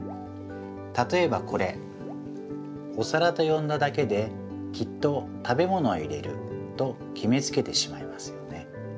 たとえばこれおさらとよんだだけできっと食べものを入れるときめつけてしまいますよね。